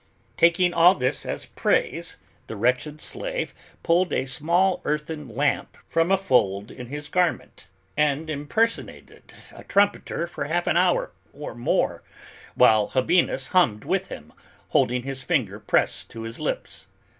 Taking all this as praise, the wretched slave pulled a small earthen lamp from a fold in his garment, and impersonated a trumpeter for half an hour or more, while Habinnas hummed with him, holding his finger pressed to his lips.